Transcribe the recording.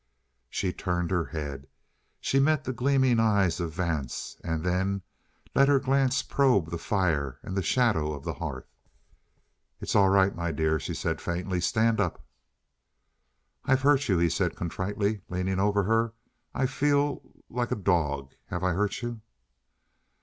She turned her head. She met the gleaming eyes of Vance, and then let her glance probe the fire and shadow of the hearth. "It's all right, my dear," she said faintly. "Stand up." "I've hurt you," he said contritely, leaning over her. "I feel like a dog. Have I hurt you?"